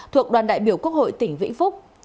thuộc đoàn đại biểu quốc hội tỉnh vĩnh phúc